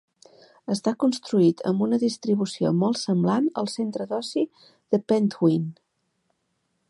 Està construït amb una distribució molt semblant al centre d'oci de Pentwyn.